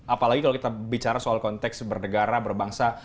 apalagi kalau kita bicara soal konteks bernegara berbangsa